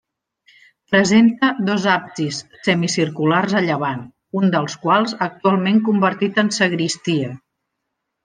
Presenta dos absis semicirculars a llevant, un dels quals actualment convertit en sagristia.